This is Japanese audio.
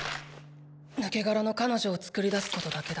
抜け殻の彼女を作り出すことだけだ。